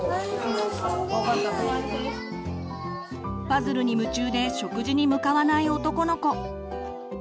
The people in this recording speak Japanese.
パズルに夢中で食事に向かわない男の子。